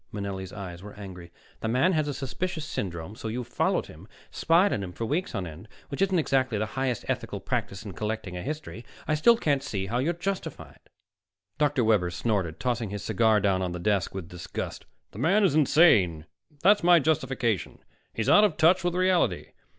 Manelli's eyes were angry. "The man has a suspicious syndrome so you've followed him, and spied on him for weeks on end, which isn't exactly highest ethical practice in collecting a history. I still can't see how you're justified." Dr. Webber snorted, tossing his cigar down on the desk with disgust. "The man is insane. That's my justification. He's out of touch with reality.